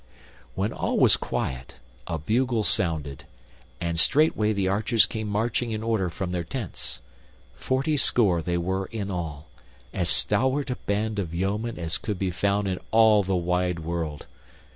When all was quiet a bugle sounded, and straightway the archers came marching in order from their tents. Fortyscore they were in all, as stalwart a band of yeomen as could be found in all the wide world.